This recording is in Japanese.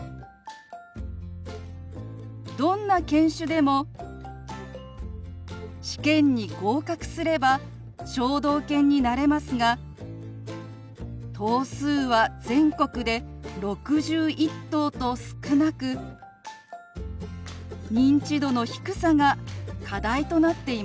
どんな犬種でも試験に合格すれば聴導犬になれますが頭数は全国で６１頭と少なく認知度の低さが課題となっています。